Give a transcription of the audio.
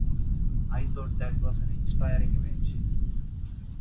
I thought that was an inspiring image.